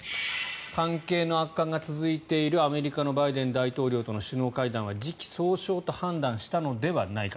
関係の悪化が続いているアメリカのバイデン大統領との首脳会談は時期尚早と判断したのではないか。